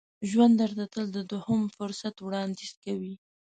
ژوند درته تل د دوهم فرصت وړاندیز کوي.